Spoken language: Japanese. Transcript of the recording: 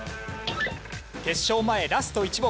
決勝前ラスト１問。